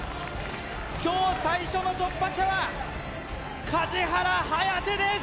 今日最初の突破者は梶原颯です